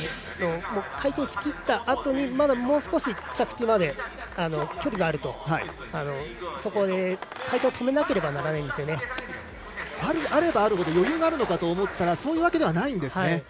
回転しきったあとにまだもう少し着地まで距離があるとそこで、回転を止めなければならないんですね。あればあるほど余裕があるのかと思ったらそういうわけではないんですね。